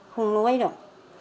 không nuối được